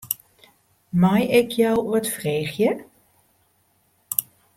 Mei ik jo wat freegje?